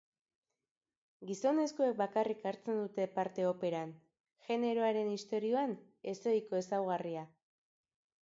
Gizonezkoek bakarrik hartzen dute parte operan, jeneroaren historian ez-ohiko ezaugarria.